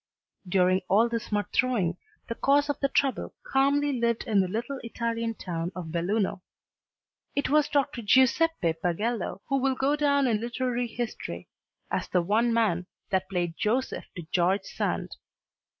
During all this mud throwing the cause of the trouble calmly lived in the little Italian town of Belluno. It was Dr. Giuseppe Pagello who will go down in literary history as the one man that played Joseph to George Sand.